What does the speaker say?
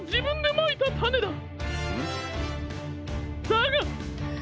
だが。